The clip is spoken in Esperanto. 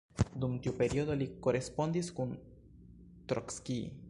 Dum tiu periodo li korespondis kun Trockij.